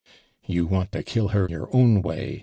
"You want to kill her your own way!'"